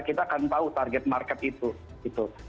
kita akan tahu target market itu gitu